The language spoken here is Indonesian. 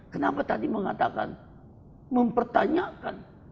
kenapa tadi mengatakan mempertanyakan